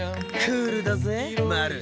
クールだぜマル。